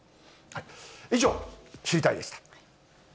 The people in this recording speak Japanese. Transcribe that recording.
以上、知りたいッ！でした。